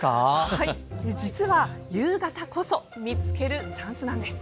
はい、実は夕方こそ見つけるチャンスなんです。